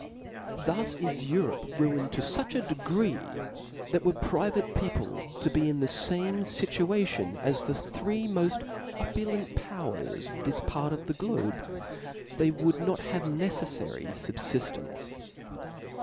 Thus ^^j^^'^'^^ is Europe ruined to fuch a degree, that were private people to be in the fame Tituation as the three moft opulent powers of this part of the globe, they would not have neceflary fubfiflrence.